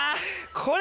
これ！